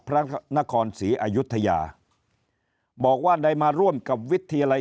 พระนครศรีอายุทยาบอกว่าได้มาร่วมกับวิทยาลัย